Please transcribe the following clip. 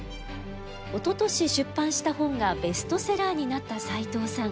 おととし出版した本がベストセラーになった斎藤さん。